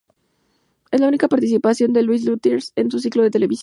Es la única participación de Les Luthiers en un ciclo de televisión.